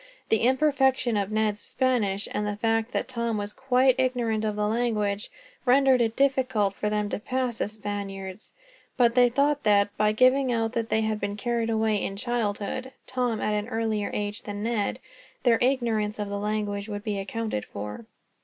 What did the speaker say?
The imperfection of Ned's Spanish, and the fact that Tom was quite ignorant of the language, rendered it difficult for them to pass as Spaniards. But they thought that, by giving out that they had been carried away in childhood Tom at an earlier age than Ned their ignorance of the language would be accounted for.